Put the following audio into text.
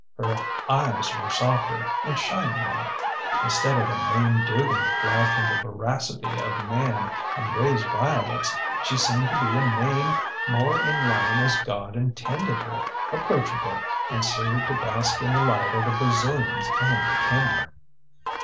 Her eyes were softer, and shiny like. Instead of a Mame Dugan to fly from the voracity of man and raise violets, she seemed to be a Mame more in line as God intended her, approachable, and suited to bask in the light of the Brazilians and the Kindler.